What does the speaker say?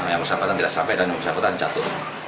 yang bersahabatan tidak sampai dan yang bersahabatan jatuh